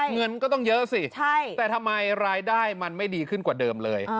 เงินก็ต้องเยอะสิแต่ทำไมรายได้มันไม่ดีขึ้นกว่าเดิมเลย